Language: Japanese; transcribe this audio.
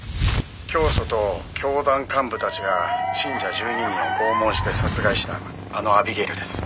「教祖と教団幹部たちが信者１２人を拷問して殺害したあのアビゲイルです」